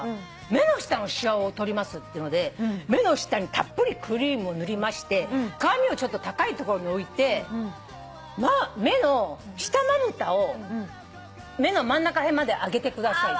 目の下のしわを取りますっていうので目の下にたっぷりクリームを塗りまして鏡をちょっと高い所に置いて目の下まぶたを目の真ん中ら辺まで上げてください。